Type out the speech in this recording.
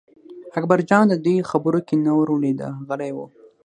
اکبرجان د دوی خبرو کې نه ور لوېده غلی و.